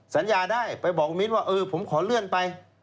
สัญญาได้ไปบอกมิ้นว่าเออผมขอเลื่อนไป